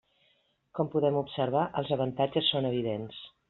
Com podem observar, els avantatges són evidents.